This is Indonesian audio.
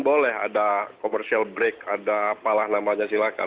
boleh ada commercial break ada apalah namanya silakan